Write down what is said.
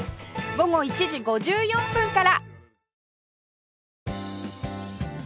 午後１時５４分から